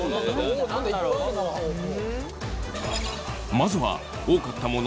まずは多かったもの